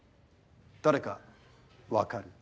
誰か分かる？